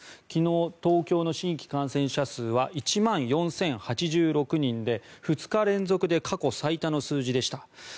昨日、東京の新規感染者数は１万４０８６人で２日連続で過去最多の数字でした。